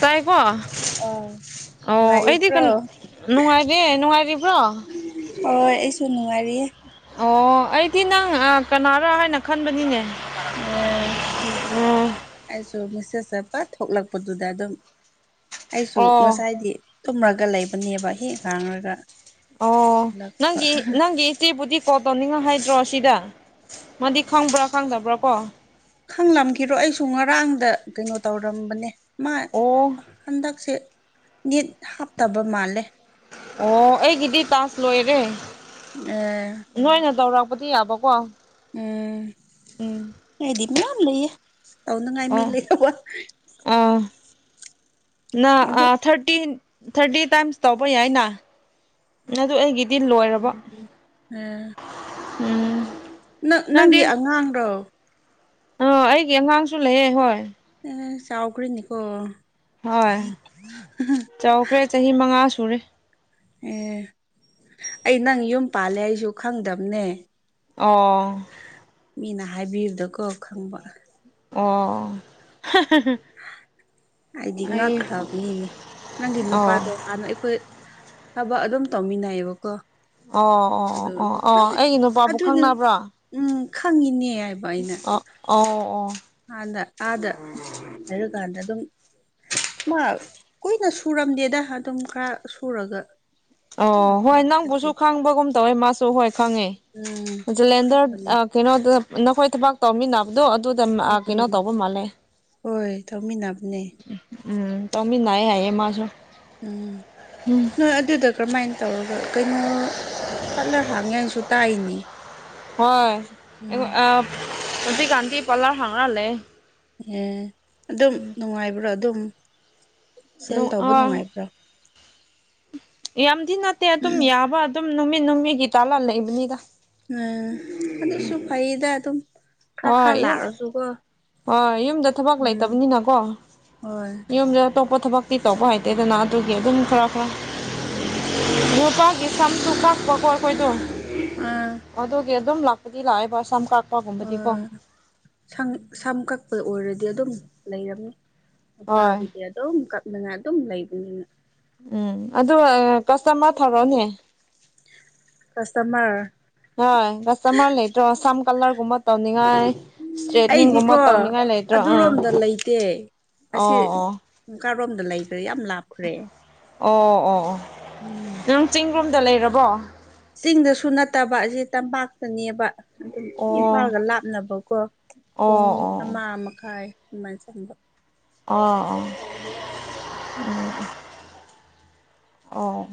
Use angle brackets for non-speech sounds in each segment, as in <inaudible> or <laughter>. ꯇꯥꯏꯀꯣ ꯑꯧ ꯑꯣ ꯑꯩꯗꯤ ꯅꯨꯡꯉꯥꯏꯔꯤꯕ꯭ꯔꯣ ꯅꯨꯡꯉꯥꯏꯔꯦ ꯅꯨꯡꯉꯥꯏꯔꯤꯕ꯭ꯔꯣ ꯍꯣꯏ ꯑꯩꯁꯨ ꯅꯨꯡꯉꯥꯏꯔꯤꯌꯦ ꯑꯣ ꯑꯩꯗꯤ ꯅꯪ ꯀꯅꯥꯔꯣ ꯍꯥꯏꯅ ꯈꯟꯕꯅꯤꯅꯦ ꯑꯦ ꯎꯝ ꯑꯩꯁꯨ ꯃꯦꯁꯦꯁ ꯐꯠꯄ ꯊꯣꯛꯂꯛꯄꯗꯨꯗ ꯑꯗꯨꯝ ꯑꯩꯁꯨ ꯑꯣ ꯉꯁꯥꯏꯗꯤ ꯇꯨꯝꯃꯒ ꯂꯩꯕ ꯑꯣ ꯊꯣꯛꯂꯛꯄ ꯅꯪꯒꯤ ꯅꯪꯒꯤ ꯏꯆꯦꯕꯨꯗꯤ ꯀꯣꯜ ꯇꯧꯅꯤꯡꯉꯣ ꯍꯥꯏꯗ꯭ꯔꯣ ꯁꯤꯗ ꯃꯥꯗꯤ ꯈꯪꯕ꯭ꯔꯥ ꯈꯪꯗꯕ꯭ꯔꯥ ꯀꯣ ꯈꯪꯂꯝꯈꯤꯔꯣꯏ ꯑꯩꯁꯨ ꯉꯔꯥꯡꯗ ꯀꯩꯅꯣ ꯇꯧꯔꯝꯕꯅꯦ ꯃꯥ ꯑꯣ ꯍꯟꯗꯛꯁꯦ ꯅꯤꯠ ꯍꯥꯞꯇꯕ ꯃꯥꯜꯂꯦ ꯑꯣ ꯑꯩꯒꯤꯗꯤ ꯇꯥꯁ ꯂꯣꯏꯔꯦ ꯑꯥ ꯅꯣꯏꯅ ꯇꯧꯔꯛꯄ ꯄꯕꯗꯤ ꯌꯥꯕ ꯀꯣ <inaudible> ꯎꯝ ꯍꯥꯏꯗꯤ ꯃꯌꯥꯝ ꯂꯩꯌꯦ ꯇꯧꯅꯉꯥꯏ ꯃꯤ ꯑꯣ ꯂꯩꯇꯥꯕꯥ ꯑꯥ ꯅ ꯊꯥꯔꯇꯤ ꯊꯥꯔꯇꯤ ꯇꯥꯏꯝꯁ ꯇꯧꯕ ꯌꯥꯏꯅ ꯑꯗꯨ ꯑꯩꯒꯤ ꯑꯝ ꯎꯝ ꯅꯪ ꯅꯪꯒꯤ ꯅꯪꯗꯤ ꯑꯉꯥꯡꯔꯣ ꯑ ꯑꯩꯒꯤ ꯑꯉꯥꯡꯁꯨ ꯂꯩꯌꯦ ꯍꯣꯏ ꯆꯥꯎꯈꯔꯤꯅꯤꯀꯣ ꯍꯣꯏ ꯆꯥꯎꯈ꯭ꯔꯦ ꯆꯍꯤ ꯃꯉꯥ ꯁꯨꯔꯦ ꯑꯦ ꯑꯩ ꯅꯪ ꯌꯨꯝ ꯄꯥꯜꯂꯦ ꯑꯩꯁꯨ ꯈꯪꯗꯕꯅꯦ ꯑꯣ ꯃꯤꯅ ꯍꯥꯏꯕꯤꯕꯗꯀꯣ ꯈꯪꯕ ꯑꯣ ꯑꯩꯗꯤ ꯑꯩ ꯉꯛꯈ꯭ꯔꯕꯅꯤꯅꯦ ꯅꯪꯒꯤ ꯑꯣ ꯅꯨꯄꯥꯗꯣ ꯍꯥꯟꯅ ꯑꯩꯈꯣꯏ ꯍꯥꯏꯕ ꯑꯗꯨꯝ ꯇꯧꯃꯤꯟꯅꯩꯌꯦꯕꯀꯣ ꯑꯣ ꯑꯣ ꯑꯣ ꯑꯗꯣ ꯑꯣ ꯑꯣ ꯑꯦ ꯑꯩꯒꯤ ꯅꯨꯄꯥꯕꯨ ꯑꯗꯨꯗꯤ ꯈꯪꯅꯕ꯭ꯔꯥ ꯎꯝ ꯈꯪꯉꯤꯅꯦ ꯑ ꯑꯣ ꯑꯣ ꯑꯥꯗ ꯑꯥꯗ ꯍꯥꯏꯔꯀꯥꯟꯗ ꯑꯗꯨꯝ ꯃꯥ ꯀꯨꯏꯅꯁꯨ ꯁꯨꯔꯝꯗꯦꯗ ꯑꯗꯨꯝ ꯈꯔ ꯁꯨꯔꯒ ꯑꯣ ꯍꯣꯏ ꯅꯪꯕꯨꯁꯨ ꯆꯠꯈꯤꯕ ꯈꯥꯡꯕꯒꯨꯝ ꯇꯧꯋꯦ ꯃꯥꯁꯨ ꯍꯣꯏ ꯈꯪꯉꯦ ꯎꯝ ꯂꯦꯟꯗꯔ ꯈꯪꯕꯅꯦ ꯀꯩꯅꯣꯗ ꯅꯈꯣꯏ ꯊꯕꯥꯛ ꯇꯧꯃꯤꯟꯅꯕꯗꯣ ꯑꯗꯨꯗ ꯎꯝ ꯀꯩꯅꯣ ꯎꯝ ꯇꯧꯕ ꯃꯥꯂꯦ ꯍꯣꯏ ꯇꯧꯃꯤꯟꯅꯕꯅꯦ ꯎꯝ ꯇꯧꯃꯤꯟꯅꯩ ꯍꯥꯏꯌꯦꯃꯁꯨ ꯎꯝ ꯅꯣꯏ ꯑꯗꯨꯗ ꯀ꯭ꯔꯃꯥꯏꯅ ꯇꯧꯔꯒ ꯀꯩꯅꯣ ꯄꯥꯠꯂꯔ ꯍꯥꯡꯉꯦ ꯍꯥꯏꯅꯁꯨ ꯇꯥꯏꯅꯦ ꯍꯣꯢ ꯎꯝ ꯑ ꯍꯧꯖꯤꯀꯥꯟꯗꯤ ꯄꯥꯂꯧꯔ ꯍꯥꯡꯉꯒꯥ ꯂꯩꯌꯦ ꯑꯦ ꯑꯗꯨꯝ ꯅꯨꯡꯉꯥꯏꯕ꯭ꯔꯣ ꯑꯗꯨꯝ ꯁꯦꯜ ꯅꯨꯡ ꯇꯧꯕ ꯑ ꯅꯨꯡꯉꯥꯏꯕ꯭ꯔꯥ ꯌꯥꯝꯗꯤ ꯅꯠꯇꯦ ꯑꯗꯨꯝ ꯌꯥꯕ ꯑꯗꯨꯝ ꯅꯨꯃꯤꯠ ꯅꯨꯃꯤꯠꯒꯤ ꯇꯥꯜꯂ <inaudible> ꯂꯩꯕꯅꯤꯗ ꯑꯗꯨꯛꯁꯨ ꯐꯩꯗ ꯑꯗꯨꯝ ꯈꯔ ꯈꯔ ꯍꯣꯏ ꯌꯨꯝ ꯂꯥꯛꯑꯁꯨꯀꯣ ꯍꯣꯏ ꯌꯨꯝꯗ ꯊꯕꯛ ꯎꯝ ꯂꯩꯇꯕꯅꯤꯅꯀꯣ ꯍꯣꯏ ꯌꯨꯝꯗ ꯑꯇꯣꯞꯄ ꯊꯕꯛꯇꯤ ꯇꯧꯕ ꯍꯥꯏꯇꯦꯗꯅ ꯑꯗꯨꯒꯤ ꯑꯗꯨꯝ ꯈꯔ ꯈꯔ ꯎꯝ ꯅꯨꯄꯥꯒꯤ ꯁꯝꯁꯨ ꯀꯞꯄꯥ ꯀꯣ ꯑꯥꯈꯣꯏꯗꯣ ꯑꯥ ꯑꯗꯨ ꯑꯗꯨꯝ ꯂꯥꯛꯄꯗꯤ ꯂꯥꯛꯑꯦꯕ ꯑꯁꯥꯝ ꯀꯥꯛ ꯑꯣ ꯁ ꯁꯝꯀ ꯑꯩꯈꯣꯏ ꯑꯣꯏꯔꯗꯤ ꯑꯗꯨꯝ ꯂꯩꯔꯝꯃꯤ ꯍꯣꯏ ꯅꯨꯄꯥꯒꯤꯗꯤ ꯑꯗꯨꯝ ꯀ ꯗꯅ ꯑꯗꯨꯝ ꯂꯩꯕꯅꯤꯅ ꯎꯝ ꯑꯗꯨꯒ ꯀꯁꯇꯃꯔ ꯊꯧꯔꯣꯅꯦ ꯀꯥꯁꯇꯃꯔ ꯍ ꯀꯁ ꯃꯔ ꯂꯩ ꯇꯣ ꯆꯝ ꯀꯜꯅꯔ ꯀꯨꯃ ꯇꯥꯎ ꯉꯥꯏ ꯏꯁꯇ꯭ꯔꯦꯠꯅꯤꯡꯒꯨꯝꯕ ꯑꯩꯗꯤꯀꯣ ꯇꯧꯅꯤꯡꯉꯥꯏ ꯂꯩꯇ꯭ꯔꯣ ꯎꯝ ꯑꯣ ꯑꯣ ꯑꯁꯤꯀꯥꯔꯣꯝꯗ ꯂꯩꯈ꯭ꯔꯦ ꯌꯥꯝ ꯂꯥꯞꯈ꯭ꯔꯦ ꯑꯣ ꯑꯣ ꯑꯣ ꯎꯝ ꯔꯨꯝꯗ ꯂꯩꯔꯕꯣ ꯆꯤꯡꯗꯁꯨ ꯅꯠꯇꯕ ꯑꯁꯤꯦ ꯇꯝꯄꯥꯛꯇꯅꯦꯕ ꯑꯗꯨꯝ ꯑꯣ ꯏꯝꯐꯥꯜꯒ ꯂꯥꯞꯅꯕꯀꯣ ꯄꯨꯡ ꯑꯣ ꯑꯣ ꯑꯃ ꯃꯈꯥꯏ ꯃꯥꯏ ꯆꯝꯕ ꯑꯣ ꯑꯣ ꯎ ꯑꯣ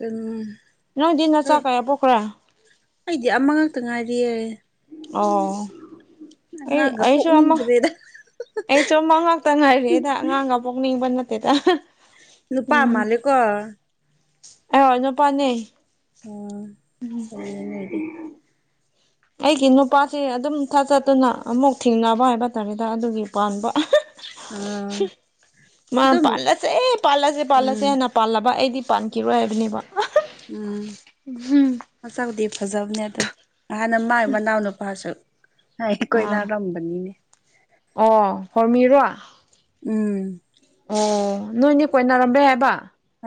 ꯎꯝ ꯅꯗꯤꯟ ꯅ ꯍꯣꯏ ꯆꯥꯛ ꯀ ꯄꯣꯈꯔꯥ ꯑꯩꯗꯤ ꯑꯃ ꯉꯛꯇ ꯉꯥꯏꯔꯤꯑ ꯑꯣ ꯑꯩ ꯑꯉꯥꯡꯒ ꯑꯩꯁꯨꯃ ꯄꯣꯛꯅꯤꯡꯗ꯭ꯔꯦꯗ ꯑꯩ ꯆꯨꯝ ꯃ ꯉꯥꯛꯇꯪ ꯉꯥꯏꯔꯦꯗ ꯑꯉꯥꯡꯒ ꯄꯣꯛꯅꯤꯡꯕ ꯅꯠꯇꯦꯗ ꯅꯨꯄꯥ ꯃꯥ ꯂꯩ ꯀꯣ ꯑꯦ ꯍꯅꯄꯅꯦ ꯑ ꯀ ꯍꯥꯏꯗꯤ ꯑꯩꯒꯤ ꯅꯨꯄꯥꯁꯦ ꯑꯗꯨꯝ ꯊꯥ ꯆꯠꯇꯨꯅ ꯑꯃꯨꯛ ꯊꯦꯡꯅꯕ ꯍꯥꯏꯕ ꯇꯥꯔꯦꯗ ꯑꯗꯨꯒꯤ ꯄꯥꯟꯕ ꯎꯝ ꯃꯥ ꯑꯗꯨꯝ ꯄꯜꯂꯁꯦ ꯑꯦ ꯄꯜꯂꯥꯁꯦ ꯄꯜꯂꯥꯁꯦ ꯎꯝ ꯍꯦꯟꯅ ꯄꯜ ꯂꯕ ꯑꯦꯗꯤ ꯄꯥꯟ ꯀꯔꯣꯏ ꯍꯥꯏꯕꯅꯤꯕ ꯎꯝ ꯑꯁꯗꯤ ꯐꯖꯕꯅꯦ ꯑꯗꯨ ꯍꯥꯟꯅ ꯃꯥꯏ ꯃꯅꯥꯎ ꯅꯨꯄꯥꯁꯨ ꯑ ꯀꯣꯏꯅ ꯑꯥ ꯂꯝꯕꯅꯤꯅꯦ ꯑꯣ ꯐꯃꯤꯔꯣ ꯎꯝ ꯑꯣ ꯅꯣꯏꯅꯦ ꯀꯣꯏꯅꯔꯝꯝꯕꯦ ꯍꯥꯏꯕ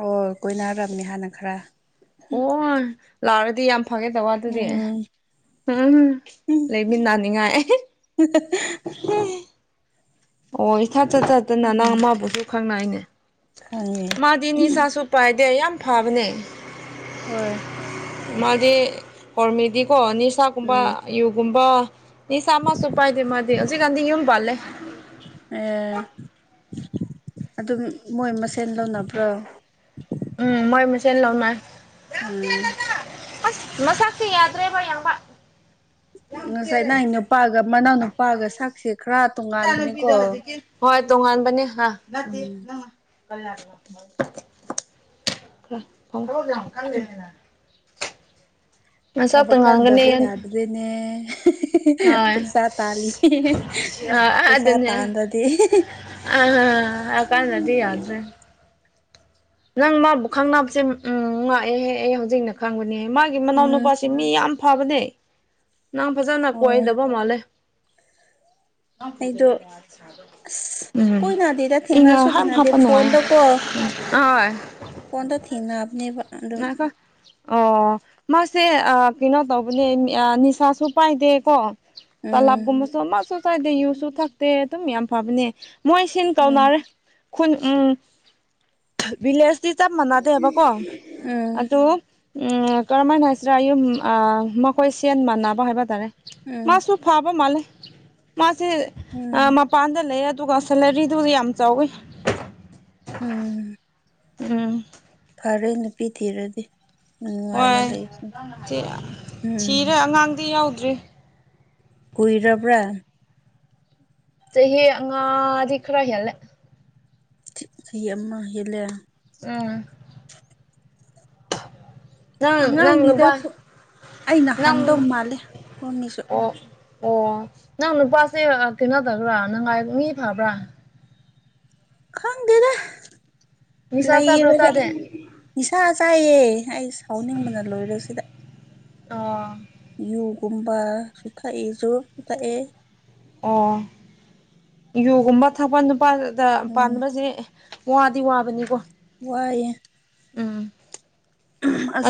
ꯑꯣ ꯀꯣꯏꯅꯔꯔꯕꯅꯦ ꯍꯥꯟꯅ ꯈꯔ ꯑꯣ ꯂꯥꯛꯔꯗꯤ ꯌꯥꯝ ꯐꯒꯦ ꯇꯧꯕ ꯑꯗꯨꯗꯤ ꯎꯝ ꯎꯝ ꯎꯝ ꯂꯩꯃꯤꯟꯗꯥꯅꯤꯉꯥꯏ ꯑꯣ ꯏꯁꯥꯠ ꯆꯠ ꯆꯠꯇꯅ ꯅꯪ ꯎꯝ ꯑꯃꯕꯨꯁꯨ ꯈꯪꯅꯏꯅꯦ ꯈꯪꯉꯦ ꯃꯥꯗꯤ ꯅꯤꯁꯥꯁꯨ ꯄꯥꯏꯗꯦ ꯌꯥꯝ ꯐꯕꯅꯦ ꯍꯣꯏ ꯃꯥꯗꯤ ꯍꯔꯃꯦꯗꯤꯀꯣ ꯅꯤꯁꯥꯒꯨꯝꯕ ꯎꯝ ꯨꯒꯨꯝꯕ ꯁꯝꯁꯨ ꯎꯄꯥꯏꯗꯦ ꯃꯥꯗꯤ ꯍꯧꯖꯤꯛ ꯀꯥꯟꯗꯤ ꯌ ꯄꯜꯂꯦ ꯑꯦ ꯑꯗꯨꯝ ꯃꯣꯏ ꯃꯁꯦꯟ ꯂꯧꯅꯕ꯭ꯔꯣ ꯎꯝ ꯃꯣꯏ ꯃꯁꯦꯅ ꯂꯧꯥꯎꯅ ꯎꯝ ꯑꯁ ꯃꯁꯛꯇꯤ ꯌꯥꯗ꯭ꯔꯦꯕ ꯌꯥꯝꯕ ꯉꯁꯥꯏ ꯅꯪ ꯅꯨꯄꯥꯒ ꯃꯅꯥꯎ ꯅꯨꯄꯥꯒ ꯁꯥ ꯏꯆꯥ ꯅꯨꯨꯄꯤꯗꯣ ꯍꯧꯖꯤꯛꯀꯤ ꯍꯣꯏ ꯇꯣꯉꯥꯟꯕꯅꯦ ꯑ ꯎꯝ ꯅꯠꯇꯦꯪ ꯀꯜꯂ ꯊꯪꯗ꯭ꯔꯣ ꯌꯥꯝꯀꯒꯅ ꯑꯁꯞꯄ ꯊꯕꯛ ꯉꯥꯡꯒꯅꯤ ꯀꯟꯗꯕ ꯌꯥꯗ꯭ꯔꯦꯅꯦ ꯄꯩꯁꯥ ꯇꯥꯜꯂꯤ ꯄꯩꯁꯥ ꯑꯗꯨꯅꯦ ꯇꯥꯟꯗꯗꯤ ꯑ ꯀꯥꯟꯗꯔꯗꯤ ꯌꯥꯗ꯭ꯔꯦ ꯅꯪ ꯃꯥꯕꯨ ꯈꯪꯅꯕꯁꯦ ꯎꯝ ꯉꯥꯛꯑꯦꯍꯦꯛ ꯑꯩ ꯍꯧꯖꯤꯛꯅ ꯈꯪꯕꯅꯦ ꯃꯥꯒꯤ ꯃꯅꯥꯎ ꯎꯝ ꯅꯨꯄꯥꯁꯤ ꯃꯤ ꯌꯥꯝ ꯐꯕꯅꯦ ꯅꯪ ꯐꯖꯅ ꯑꯣ ꯀꯣꯏꯗꯕ ꯃꯥꯜꯂꯦ ꯑꯩꯗꯣ ꯑꯁ ꯎꯝ ꯀꯣꯏꯅꯗꯦꯗ ꯊꯦꯡꯅꯁꯨ ꯏ ꯍꯝ ꯊꯦꯡꯅꯗꯦ ꯍꯥꯞꯄ ꯅꯨꯡꯉꯥꯏ ꯐꯣꯟꯗꯀꯣ ꯍ ꯐꯣꯟꯗ ꯊꯦꯡꯅꯕꯅꯦꯕ ꯑꯗꯨꯝ ꯑꯣ ꯃꯥꯁꯦ ꯀꯩꯅꯣ ꯇꯧꯕꯅꯦ ꯅꯤꯁꯥꯁꯨ ꯄꯥꯏꯗꯦꯀꯣ ꯎꯝ ꯇꯂꯥꯞꯀꯨꯝꯕꯁꯨ ꯑꯃꯁꯁꯨ ꯆꯥꯏꯗꯦ ꯌꯨꯁꯨ ꯊꯛꯇꯦ ꯑꯗꯨꯝ ꯌꯥꯝ ꯐꯕꯅꯦ ꯃꯣꯏ ꯁꯤꯟ ꯎꯝ ꯀꯧꯅꯔꯦ ꯈꯨꯟ ꯎ ꯚꯤꯂꯦꯖ ꯆꯞ ꯃꯅꯥꯗ ꯍꯥꯏꯕ ꯀꯣ ꯎꯝ ꯑꯗꯨ ꯎꯝ ꯀꯔꯝꯍꯥꯏꯅ ꯍꯥꯏꯁꯤꯔꯥ ꯑꯌꯨꯝ ꯑ ꯃꯈꯣꯏ ꯁꯦꯟ ꯃꯥꯟꯅꯕ ꯍꯥꯏꯕ ꯇꯥꯔꯦ ꯎꯝ ꯃꯥꯁꯨ ꯐꯥꯕ ꯃꯥꯜꯂꯦ ꯃꯥꯁꯦ ꯎꯝ ꯃꯄꯥꯟꯗ ꯂꯩ ꯑꯗꯨꯒ ꯁꯦꯂꯔꯤꯗꯨꯁꯨ ꯌꯥꯝ ꯆꯥꯎꯋꯤ ꯎꯝ ꯎꯝ ꯐꯔꯦ ꯅꯨꯄꯤ ꯊꯤꯔꯗꯤ ꯅꯨꯡꯉꯥꯏꯅ ꯍꯣꯏ ꯂꯩꯁꯤ ꯎꯝ ꯊꯤꯔꯦ ꯑꯉꯥꯡꯗꯤ ꯌꯥꯎꯗ꯭ꯔꯤ ꯀꯨꯏꯔꯔꯕ꯭ꯔꯥ ꯆꯍꯤ ꯑꯉꯥꯗꯤ ꯈ꯭ꯔꯍꯤꯂꯦ ꯆꯍꯤ ꯑꯃ ꯍꯦꯜꯂꯦ ꯎꯝ ꯅꯪ ꯑꯉꯥꯡꯅꯤꯗ ꯅꯪꯕ ꯑꯩꯅ ꯅꯪ ꯍꯟꯗꯧ ꯃꯥꯜꯂꯦ ꯃꯃꯤꯁꯨ ꯑꯣ ꯑꯣ ꯅꯪ ꯅꯨꯄꯥꯁꯦ ꯀꯩꯅꯣꯗꯕ꯭ꯔꯥ ꯅꯪꯥꯏ ꯃꯤ ꯐꯕ꯭ꯔꯥ ꯈꯪꯗꯦꯗ ꯅꯤꯁꯥ ꯆꯥꯕ꯭ꯔꯥ ꯂꯩꯕꯒ ꯆꯥꯗꯦ ꯅꯤꯁꯥ ꯆꯥꯏꯌꯦ ꯑꯩ ꯁꯥꯎꯅꯤꯡꯕꯅ ꯂꯣꯏꯔꯁꯤꯗ ꯑꯣ ꯨꯌꯨ ꯒꯨꯝꯕꯁꯨ ꯊꯛꯑꯦ ꯆꯨꯔꯨꯞꯁꯨ ꯊꯛꯢ ꯑꯣ ꯌꯣꯒꯨꯝꯕ ꯊꯛꯕꯥ ꯅꯨꯄꯥꯗ ꯎꯝ ꯄꯥꯟꯕꯁꯦ ꯋꯥꯗꯤ ꯋꯥꯕꯅꯤꯀꯣ ꯋꯥꯏꯦ ꯎꯝ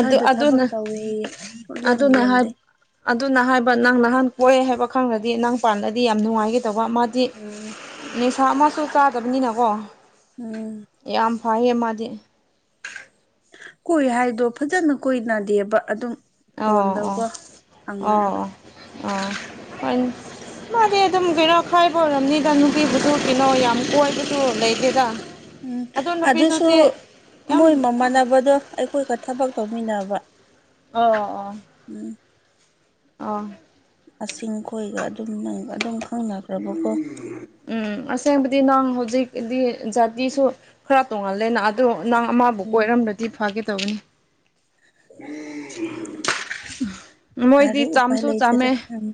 ꯑꯗꯨ ꯊꯕꯛ ꯑꯗꯨꯅ ꯇꯧꯋꯦꯌꯦ ꯁꯨꯛꯂꯦꯝ ꯑꯗꯨꯅ ꯍꯥꯏ ꯂꯦꯝꯗꯦ ꯑꯗꯨꯅ ꯍꯥꯏꯕ ꯅꯪ ꯅꯍꯥꯟ ꯀꯣꯏꯦ ꯍꯥꯏꯕ ꯈꯪꯗꯗꯤ ꯅꯪ ꯄꯥꯜꯂꯗꯤ ꯌꯥꯝ ꯅꯨꯡꯉꯥꯏꯈꯤꯦ ꯀꯩꯇꯧꯕ ꯃꯥꯗꯤ ꯎꯝ ꯅꯤꯡꯁꯥ ꯑꯃꯁꯨ ꯆꯥꯗꯕꯅꯤꯅꯀꯣ ꯎꯝ ꯐꯍꯦ ꯃꯥꯗꯤ ꯀꯣꯏ ꯍꯥꯏꯗꯣ ꯐꯖꯅ ꯀꯣꯏꯅꯗꯦꯕ ꯑꯗꯨꯝ ꯑꯣ ꯑꯣ ꯐꯣꯟꯗꯀꯣ ꯑꯣ ꯍꯪꯅꯔꯒ ꯑꯣ ꯍꯣꯏ ꯃꯥꯗꯤ ꯑꯗꯨꯝ ꯀꯩꯅꯣ ꯈꯥꯏꯕ ꯑꯣꯏꯔꯝꯅꯤꯗ ꯅꯨꯄꯤꯕꯨꯁꯨ ꯀꯩꯅꯣ ꯌꯥꯝ ꯀꯣꯏꯕꯁꯨ ꯂꯩꯇꯦꯗ ꯎꯝ ꯑꯗꯣ ꯅꯨꯄꯤꯁꯨ ꯑꯗꯨꯁꯨ ꯁꯤ ꯌꯥꯝ ꯃꯣꯏ ꯃꯃꯥꯟꯅꯕꯗꯣ ꯑꯩꯈꯣꯏꯒ ꯊꯕꯛ ꯇꯧꯃꯤꯟꯅꯕ ꯑꯣ ꯑꯣ ꯑ ꯑ ꯈꯣꯏꯒ ꯑꯗꯨꯝ ꯑꯗꯨꯝ ꯈꯪꯅꯈ꯭ꯔꯕꯀꯣ ꯎꯝ ꯑꯁꯦꯡꯕꯗꯤ ꯅꯪ ꯍꯧꯖꯤꯛꯗꯤ ꯖꯥꯇꯤꯁꯨ ꯈꯔ ꯇꯣꯡꯍꯜꯂꯦꯅ ꯑꯗꯨꯗ ꯅꯪ ꯑꯃꯕꯨ ꯎꯝ ꯀꯣꯏꯔꯝ꯭ꯔꯗꯤ ꯐꯥꯒꯦ ꯇꯧꯕꯅꯤ ꯃꯣꯏꯗꯤ ꯐꯔꯦ ꯎꯄꯥꯏ ꯆꯥꯝꯁꯨ ꯂꯩꯇꯔꯦ ꯆꯥꯝꯃꯦ ꯎꯝ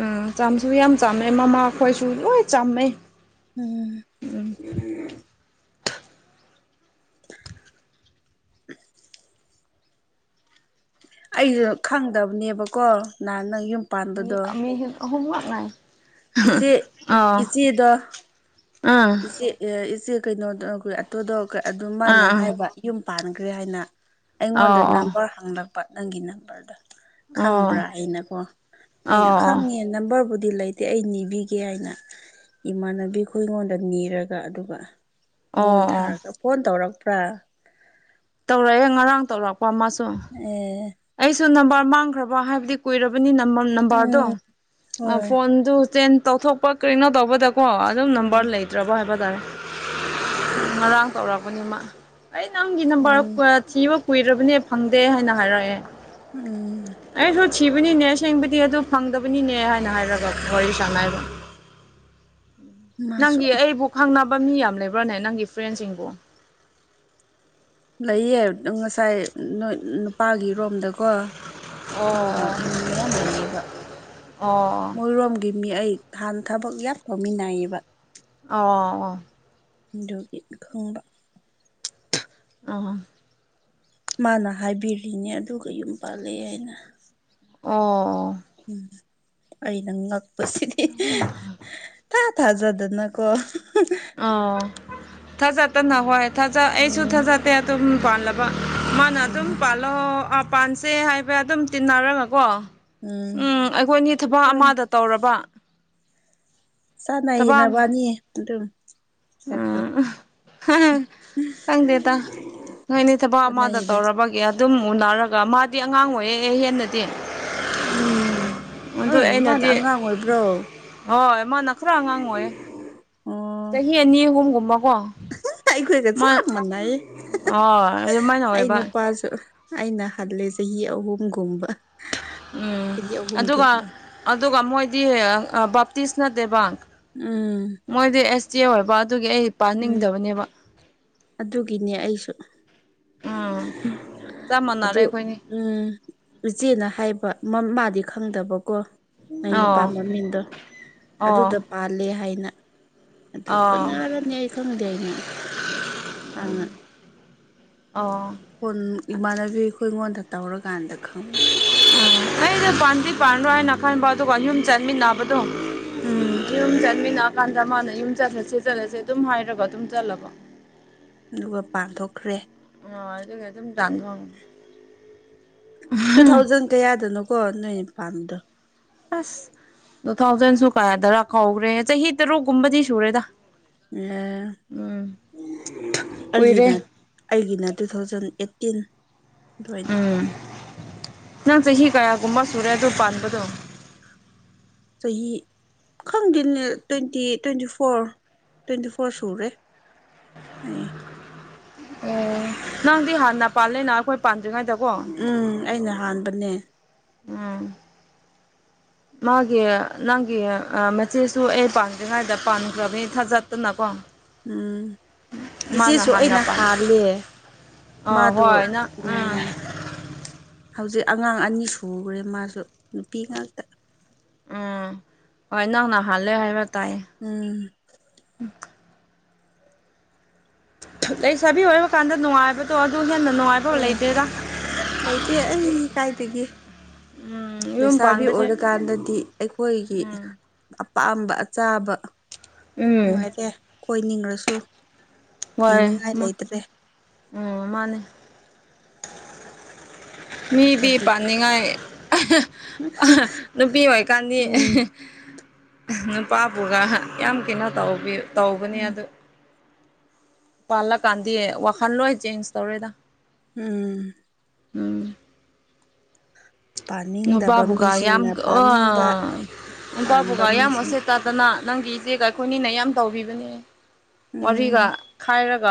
ꯎꯝ ꯆꯥꯝꯁꯨ ꯌꯥꯝ ꯆꯥꯝꯃꯦ ꯃꯃꯥ ꯑꯩꯈꯣꯏꯁꯨ ꯂꯣꯏ ꯆꯥꯃꯦꯩ ꯎꯝ <unintelligible> ꯑꯩꯁꯨ ꯈꯪꯗꯕꯅꯦꯕꯀꯣ ꯅꯍꯥꯟ ꯅꯪ ꯌꯨꯝ ꯄꯥꯟꯕꯗꯣ ꯍ ꯍꯣꯠ ꯅꯥꯏ ꯏꯆꯦ ꯑ ꯏꯆꯦꯗꯣ ꯏꯆꯦ ꯏꯆꯦ ꯀꯩꯅꯣꯗ ꯑꯩꯈꯣꯏ ꯑꯇꯣꯗ ꯑꯗꯨ ꯃꯥꯅ ꯑꯥ ꯍꯥꯏꯕ ꯌꯨꯝ ꯄꯥꯟꯈ꯭ꯔꯦ ꯍꯥꯏꯅ ꯑꯥ ꯑꯣ ꯑꯩꯉꯣꯟꯗ ꯑꯣ ꯅꯝꯕꯔ ꯍꯪꯂꯛꯄ ꯅꯪꯒꯤ ꯅꯝꯕꯔꯗꯣ ꯑꯣ ꯈꯪꯕ꯭ꯔꯥ ꯑꯩꯅꯀꯣ ꯑꯩꯅ ꯑꯣ ꯑꯣ ꯈꯪꯉꯦ ꯅꯝꯕꯔꯕꯨꯗꯤ ꯗꯤ ꯂꯩꯇꯦ ꯑꯩ ꯅꯤꯕꯤꯒꯦ ꯍꯥꯏꯅ ꯏꯃꯥꯟꯅꯕꯤ ꯑꯩꯒꯣꯟꯗ ꯅꯤꯔꯒ ꯑꯗꯨꯒ ꯃꯑꯣꯣꯟ ꯑꯣ ꯊꯥꯔꯒ ꯐꯣꯟ ꯇꯧꯔꯛꯄ꯭ꯔꯥ ꯇꯧꯔꯛꯑꯦ ꯉꯔꯥꯡ ꯇꯧꯔꯛꯄ ꯑꯃꯁꯨ ꯑꯦ ꯑꯩꯁꯨ ꯅꯝꯕꯔ ꯃ ꯍꯥꯏ ꯀꯨ ꯅ ꯎꯝ ꯍꯣꯏ ꯐ ꯇꯧꯊꯣꯛꯄ ꯀꯩꯅꯣ ꯇꯧꯕꯗꯀꯣ ꯑꯗꯨꯝ ꯅꯝꯕꯔ ꯎꯝ ꯂꯩꯇ꯭ꯔꯕ ꯍꯥꯏꯕ ꯇꯥꯔꯦ ꯉꯔꯥꯡ ꯇꯧꯔꯛꯄꯅꯤꯃ ꯑꯩ ꯅꯪꯒꯤ ꯅꯔ ꯎꯝ ꯊꯤꯕ ꯀꯨꯏꯔꯕꯅꯦ ꯐꯪꯗꯦ ꯍꯥꯏꯅ ꯍꯥꯏꯔꯛꯑꯦ ꯎꯝ ꯁꯤꯕꯅꯤꯅꯦ ꯑꯁꯦꯡꯕꯗꯤ ꯑꯗꯨ ꯐꯪꯗꯕꯅꯤꯅꯦ ꯍꯥꯏꯅ ꯍꯥꯏꯔꯒ ꯋꯥꯔꯤ ꯁꯥꯡ ꯍꯥꯏꯕ <unintelligible> ꯃꯥꯁꯨ ꯅꯪꯒꯤ ꯑꯩꯕꯨ ꯈꯪꯅꯕ ꯃꯤ ꯌꯥꯝ ꯂꯩꯕ꯭ꯔꯥꯅꯦ ꯅꯪꯒꯤ ꯐ꯭ꯔꯦꯟꯁꯤꯡꯕꯨ ꯑꯩꯌꯦ ꯉꯁꯥꯏ ꯅꯨꯄꯥꯒꯤ ꯔꯣꯝꯗꯀꯣ ꯈꯪꯕ ꯑꯣ ꯃꯤ ꯃꯌꯥꯝ ꯂꯩꯌꯦꯕ ꯑꯣ ꯃꯣꯏꯔꯣꯝꯒꯤ ꯃꯤ ꯑꯩ ꯍꯥꯟꯅ ꯊꯕꯛ ꯌꯥꯝ ꯇꯧꯃꯤꯟꯅꯏꯌꯦꯕ ꯑꯣ ꯑꯣ ꯌꯒꯤ ꯈꯧꯔ ꯑ ꯃꯥꯅ ꯍꯥꯏꯕꯤꯔꯤꯅꯦ ꯑꯗꯨꯒ ꯌꯨꯝ ꯄꯥꯜꯂꯦ ꯍꯥꯏꯅ ꯑꯣ ꯎꯝ ꯑꯩꯅ ꯉꯛꯄꯁꯤꯗꯤ ꯊꯥꯖꯗꯅꯀꯣ ꯑꯣ ꯊꯥꯖꯠꯇꯅ ꯍꯣꯏ ꯊꯥꯖꯠ ꯑꯩꯁꯨ ꯎꯝ ꯊꯥꯖꯠꯇꯦ ꯑꯗꯨꯝ ꯄꯥꯜꯂꯕ ꯃꯥꯅ ꯑꯗꯨꯝ ꯎꯝ ꯄꯥꯜꯂꯣꯑꯣ ꯄꯥꯟꯁꯦ ꯍꯥꯏꯕ ꯑꯗꯨꯝ ꯇꯤꯟꯅꯔꯒꯀꯣ ꯎꯝ ꯑꯩꯈꯣꯏꯅꯤ ꯊꯕꯛ ꯍꯣꯏ ꯑꯃꯗ ꯇꯧꯔꯕ ꯆꯥꯟꯅꯏꯌꯦꯅꯕꯥꯅꯤ ꯑꯗꯨꯝ ꯁꯛꯇꯣ ꯑꯝ ꯈꯪꯗꯦꯗ ꯅꯣꯏꯅꯦ ꯊꯕꯛ ꯑꯃꯗ ꯆꯥꯟꯅꯩꯗ ꯇꯧꯔꯕꯒꯦ ꯑꯗꯨꯝ ꯎꯅꯔꯒ ꯃꯥꯗꯤ ꯑꯉꯥꯡ ꯑꯣꯏꯌꯦꯦꯛ ꯑꯦ ꯍꯦꯟꯅꯗꯤ ꯎꯝ ꯍ ꯑꯗꯨ ꯏꯃꯥꯗ ꯑꯩꯅꯗꯤ ꯑꯉꯥꯡ ꯑꯣꯏꯕ꯭ꯔꯣ ꯍꯣꯏ ꯃꯥꯅ ꯈꯔ ꯑꯉꯥꯡ ꯑꯣꯏꯌꯦ ꯑꯣ ꯆꯍꯤ ꯑꯅꯤ ꯑꯍꯨꯝꯒꯨꯝꯃ ꯀꯣ ꯑꯩꯈꯣꯏꯒ ꯆꯞ ꯃꯥꯟꯅꯩ ꯍꯣꯏ ꯑꯗꯨꯃꯥꯏꯅ ꯑꯩ ꯑꯣꯏꯕ ꯅꯨꯄꯥꯁꯨ ꯑꯩꯅ ꯍꯜꯂꯦ ꯆꯍꯤ ꯑꯍꯨꯝꯒꯨꯝꯕ ꯎꯝ ꯆꯍꯤ ꯑꯍꯨꯝ ꯑꯗꯨꯒ ꯈꯦꯠꯅꯩ ꯑꯗꯨꯒ ꯃꯣꯏꯗꯤ ꯕꯥꯞꯇꯤꯁ ꯅꯠꯇꯦꯕ ꯑꯥ ꯏꯆꯦ ꯑꯣꯏꯕ ꯑꯗꯨꯒꯤ ꯑꯩ ꯄꯥꯅꯤꯡꯗꯕꯅꯦꯕ ꯑꯗꯨꯒꯤꯅꯦ ꯑꯩꯁꯨ ꯎꯝ ꯆꯞ ꯃꯥꯟꯅꯔꯦ ꯑꯗꯨ ꯑꯩꯈꯣꯏꯅꯤ ꯎꯝ ꯆꯦꯅ ꯍꯥꯏꯕ ꯃꯥꯗꯤ ꯈꯪꯗꯕꯀꯣ ꯑ ꯅꯨ ꯄ ꯑꯣ ꯃ ꯃꯤꯡꯗꯣ ꯑꯣ ꯑꯗꯨꯗ ꯄꯥꯜꯂꯦ ꯍꯥꯏꯅ ꯑꯗꯨ ꯑꯣ ꯀꯅꯥꯔꯅꯤ ꯑꯩ ꯈꯪꯗꯦ ꯑꯩꯅ ꯍꯥꯟꯅ ꯑꯣ ꯎꯝ ꯍꯣꯟ ꯏꯃꯥꯟꯅꯕꯤ ꯑꯩꯈꯣꯏ ꯑꯩꯉꯣꯟꯗ ꯇꯧꯔꯀꯥꯟꯗ ꯈꯪꯕ ꯎ ꯍ ꯄꯥꯟꯗꯤ ꯄꯥꯟꯔꯣꯏ ꯍꯥꯏꯅ ꯈꯟꯕ ꯑꯗꯨꯒ ꯌꯨꯝ ꯆꯠꯃꯤꯟꯅꯕ ꯣ ꯎꯝ ꯆꯃꯤ ꯀꯥꯟꯗ ꯃꯥꯅ ꯌꯨꯝ ꯆꯠꯂꯁꯦ ꯆꯠꯂꯁꯦ ꯑꯗꯨꯝ ꯍꯥꯏꯔꯒ ꯑꯗꯨꯝ ꯆꯠꯂꯕ ꯑꯗꯨꯒ ꯄꯥꯡꯊꯣꯛꯈ꯭ꯔꯦ ꯑ ꯀ ꯑꯗꯨ ꯗꯥꯡꯒꯥ ꯇꯨ ꯊꯥꯎꯖꯟ ꯀꯌꯥꯗꯅꯣꯀꯣ ꯅꯣꯏ ꯄꯥꯟꯕꯗꯣ ꯑꯁ ꯇꯨ ꯊꯥꯎꯖꯟꯁꯨ ꯀꯌꯥꯗꯔꯥ ꯀꯧꯈ꯭ꯔꯦ ꯆꯍꯤ ꯇꯔꯨꯛꯀꯨꯝꯕꯗꯤ ꯁꯨꯔꯦꯗ ꯑꯦ ꯎꯝ ꯀꯨꯏꯔꯦ ꯑꯩꯒꯤꯅ ꯑꯩꯒꯤꯅ ꯇꯨ ꯊꯥꯎꯖꯟ ꯑꯩꯠ ꯇꯤꯟ ꯑꯗꯨꯋꯥꯏꯗ ꯎꯝ ꯅꯪ ꯆꯍꯤ ꯀꯌꯥꯒꯨꯝꯕ ꯁꯨꯔꯦ ꯑꯗꯨ ꯄꯥꯟꯕꯗꯣ ꯆꯍꯤ ꯈꯪꯗꯦꯅꯦ twenty twenty four twenty four ꯁꯨꯔꯦ ꯍꯥꯏ ꯑꯣ ꯅꯪꯗꯤ ꯍꯥꯟꯅ ꯄꯥꯜꯂꯦꯅ ꯑꯩꯈꯣꯏ ꯄꯥꯟꯗ꯭ꯔꯤꯉꯩꯗꯀꯣ ꯎꯝ ꯑꯩꯅ ꯍꯥꯟꯕꯅꯦ ꯎꯝ <unintelligible> ꯃꯥꯒꯤ ꯅꯪꯒꯤ ꯃꯆꯦꯁꯨ ꯑꯩ ꯄꯥꯟꯗ꯭ꯔꯤꯉꯩꯗ ꯄꯥꯟꯈ꯭ꯔꯕꯅꯤ ꯊꯥꯖꯠꯇꯅꯀꯣ ꯎꯝ ꯃꯥꯅ ꯏꯆꯦꯁꯨ ꯍꯥꯟꯅ ꯑꯩꯅ ꯄꯥꯟ ꯍꯥꯜꯂꯦ ꯑꯥ ꯃꯥꯗꯣ ꯍꯣꯏ ꯅꯪ ꯎꯝ ꯍꯧꯖꯤꯛ ꯑꯉꯥꯡ ꯑꯅꯤ ꯁꯈ꯭ꯔꯦ ꯃꯥꯁꯨ ꯅꯨꯄꯤ ꯉꯥꯛꯇ ꯎꯝ ꯅꯡꯅ ꯍꯥꯜꯂꯦꯍꯥꯏꯕ ꯇꯥꯏ ꯎꯝ ꯂꯩꯁꯕꯤ ꯑꯣꯏꯕ ꯀꯥꯟꯗ ꯅꯅꯨꯡꯉꯕꯣ ꯍꯣꯏ ꯂꯩꯇꯦ ꯑꯩ ꯀꯥꯏꯗꯒꯤ ꯎꯝ ꯌꯨꯝ ꯂꯩꯁꯥꯕꯤ ꯄꯥꯟꯕꯁꯦ ꯑꯣꯏꯔꯀꯥꯟꯗꯗꯤ ꯑꯩꯈꯣꯏꯒꯤ ꯎꯝ ꯄꯥꯝꯕ ꯑꯆꯥꯕ ꯎꯝ ꯅꯨꯡꯉꯥꯏꯇꯦ ꯀꯣꯏꯅꯤꯡꯉꯁꯨ ꯍꯣꯏꯦ ꯊꯤꯡꯅꯤꯡꯉꯥꯏ ꯂꯩꯇ꯭ꯔꯦ ꯑꯣ ꯃꯥꯅꯦ ꯃꯤꯗꯤ ꯍꯧꯖꯤꯛ ꯄꯥꯅꯤꯡ ꯉꯢ ꯅꯨꯄꯤ ꯑꯣꯏꯀꯥꯟꯗꯤ ꯎꯝ ꯅꯨꯄꯥꯕꯨꯒ ꯌꯥꯝ ꯀꯤꯅ ꯇꯧꯕꯨ ꯇꯧꯕꯅꯦ ꯎꯝ ꯑꯗꯨ ꯄꯥꯂꯛ ꯀꯗꯤ ꯑꯦ ꯋꯥ ꯈꯟ ꯂꯂꯣꯏ ꯆꯦꯟꯖ ꯇꯧꯔꯦꯗ ꯎꯝ ꯎꯝ ꯄꯥꯅꯤꯡꯗꯕ ꯅꯨꯄꯥꯕꯨꯀꯥ ꯌꯥꯝ ꯃꯤꯁꯤꯡꯅ ꯄꯥꯅꯤꯡꯕ ꯅꯨꯄꯥ ꯄꯥꯟꯕ ꯀꯥ ꯌꯥꯝ ꯃꯤꯁꯤꯡ ꯎꯁꯥꯠꯇꯗꯅ ꯇꯥꯇꯅ ꯅꯪꯒꯤ ꯏꯆꯦꯒ ꯑꯩꯈꯣꯏꯅꯤꯅ ꯌꯥꯝ ꯇꯧꯕꯕꯅꯦ ꯎꯝ ꯋꯥꯔꯤꯒ ꯈꯥꯏꯔꯒ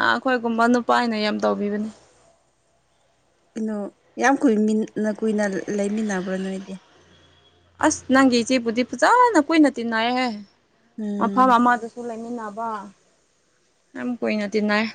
ꯀꯣ ꯑꯩꯈꯣꯏꯒꯨꯝꯕ ꯅꯨꯄꯥꯅ ꯌꯥꯝ ꯇꯧꯕꯤꯕꯅꯤ ꯀꯩꯅꯣ ꯌꯥꯝ ꯀꯨꯏꯟꯅ ꯀꯨꯏꯅ ꯂꯩꯃꯤꯟꯅꯕ꯭ꯔꯣ ꯅꯣꯏꯗꯤ ꯑꯁ ꯅꯪꯒꯤ ꯏꯆꯦꯕꯨꯗꯤ ꯐꯖꯅ ꯀꯨꯏꯅ ꯇꯤꯟꯅꯔꯍꯦ ꯎꯝ ꯃꯐꯝ ꯑꯃꯗꯁꯨ ꯂꯩ ꯅꯕ ꯑ ꯀꯣꯏꯅꯥ ꯇꯅꯥꯏ